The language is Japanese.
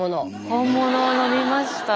本物を飲みました。